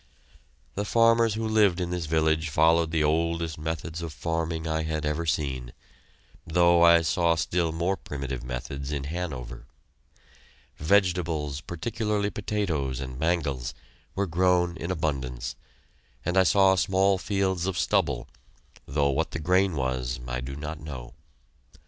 The farmers who lived in this village followed the oldest methods of farming I had ever seen, though I saw still more primitive methods in Hanover. Vegetables, particularly potatoes and mangels, were grown in abundance, and I saw small fields of stubble, though what the grain was I do not know.